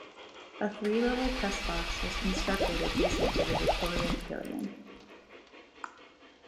A three level press box was constructed adjacent to the Victoria Pavilion.